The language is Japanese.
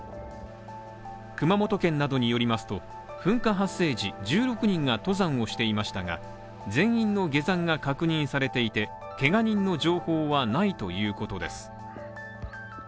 熊本県などによりますと、噴火発生時、１６人が登山をしていましたが、全員の下山が確認されていて、けが人の情報はないということです。